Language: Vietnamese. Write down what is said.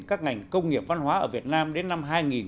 các ngành công nghiệp văn hóa ở việt nam đến năm hai nghìn hai mươi